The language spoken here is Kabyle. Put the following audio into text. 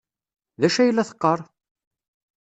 D acu ay la teqqar?